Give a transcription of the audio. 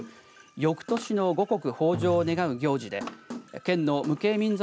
よくとしの五穀豊じょうを願う行事で県の無形民俗